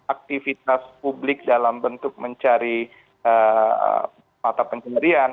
aktivitas publik dalam bentuk mencari mata pencarian